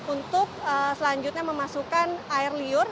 untuk selanjutnya memasukkan air liur